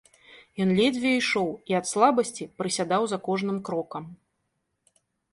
Ён ледзьве ішоў і ад слабасці прысядаў за кожным крокам.